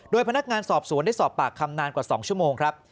พนักงานสอบสวนได้สอบปากคำนานกว่า๒ชั่วโมงครับ